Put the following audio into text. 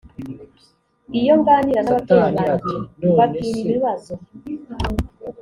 iyo nganira n ababyeyi banjye mbabwira ibibazo